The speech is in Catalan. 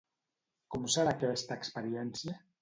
Com serà aquesta experiència?